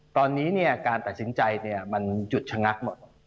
ตอนนี้การตัดสินใจมันหยุดชะงักหมด